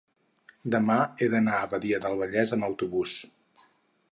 demà he d'anar a Badia del Vallès amb autobús.